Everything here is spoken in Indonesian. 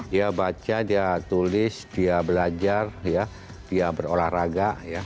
dia baca dia tulis dia belajar dia berolahraga